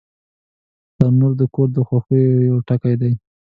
تنور د کور د خوښیو یو ټکی دی